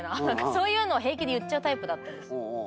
そういうのを平気で言っちゃうタイプだったんです。